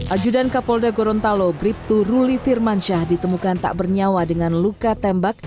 ajudan kapolda gorontalo bribtu ruli firmansyah ditemukan tak bernyawa dengan luka tembak